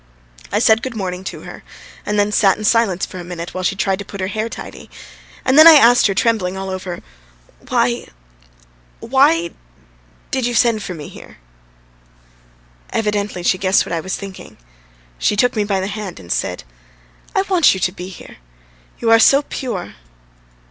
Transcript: I said good morning to her, and then sat in silence for a minute while she tried to put her hair tidy, and then I asked her, trembling all over: "Why ... why ... did you send for me here?" Evidently she guessed what I was thinking; she took me by the hand and said: "I want you to be here, you are so pure."